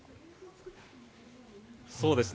そうですね。